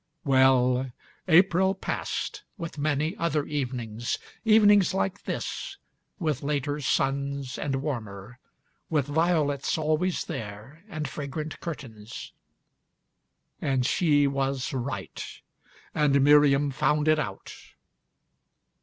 Well, April passed, with many other evenings, Evenings like this, with later suns and warmer, With violets always there, and fragrant curtains.... And she was right. And Miriam found it out....